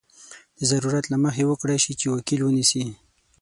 د ضرورت له مخې وکړای شي چې وکیل ونیسي.